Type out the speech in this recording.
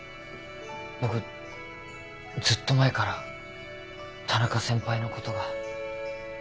僕ずっと前から田中先輩のことが。